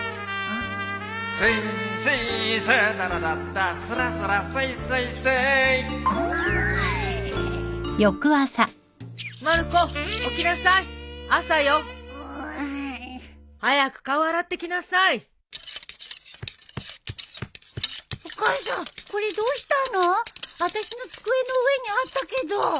あたしの机の上にあったけど。